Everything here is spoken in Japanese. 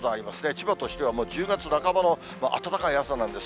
千葉としてはもう１０月半ばの暖かい朝なんです。